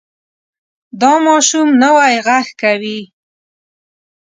دا ماشوم نوی غږ کوي.